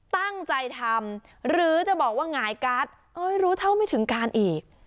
ตั้งใจทำหรือจะบอกว่าหงายกัดเอ้ยรู้เท่าไม่ถึงการอีก